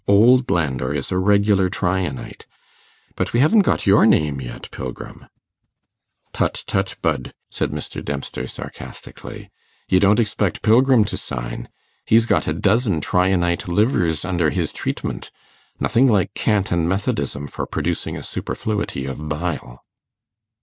Old Landor is a regular Tryanite. But we haven't got your name yet, Pilgrim.' 'Tut tut, Budd,' said Mr. Dempster, sarcastically, 'you don't expect Pilgrim to sign? He's got a dozen Tryanite livers under his treatment. Nothing like cant and methodism for producing a superfluity of bile.